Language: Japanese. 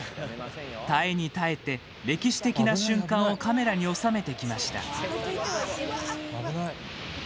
耐えに耐えて、歴史的な瞬間をカメラに収めてきました。